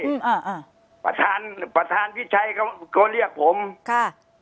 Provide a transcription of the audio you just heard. อ่าอ่าประธานประธานพิชัยเขาก็เรียกผมค่ะ